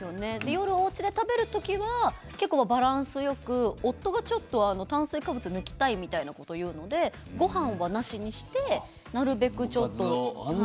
夜おうちで食べる時はバランスよく夫がちょっと炭水化物抜きたいみたいなことを言うのでごはんは、なしにしてなるべくちょっと。